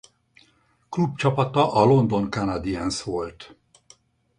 Klubcsapata a London Canadiens volt.